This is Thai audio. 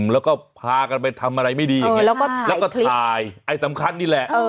แล้วก็พากันไปทำอะไรไม่ดีอย่างนี้แล้วก็ถ่ายไอ้สำคัญนี่แหละ